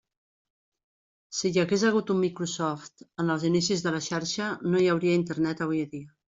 Si hi hagués hagut un Microsoft en els inicis de la xarxa, no hi hauria Internet avui dia.